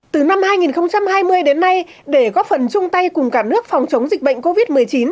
từ năm hai nghìn hai mươi đến nay để góp phần chung tay cùng cả nước phòng chống dịch bệnh covid một mươi chín